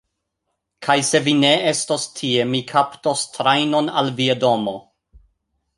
Kaj se vi ne estos tie mi kaptos trajnon al via domo!